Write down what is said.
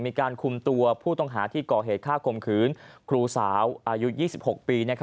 มีการคุมตัวผู้ต้องหาที่ก่อเหตุฆ่าข่มขืนครูสาวอายุ๒๖ปี